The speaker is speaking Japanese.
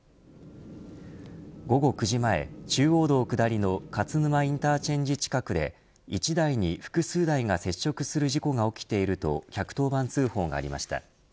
午後９時前、中央道下りの勝沼インターチェンジ近くで１台に複数台が接触する事故が起きていると１１０番通報がありました。